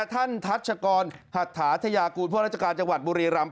ทัชกรหัตถาธยากูลพวกราชการจังหวัดบุรีรำ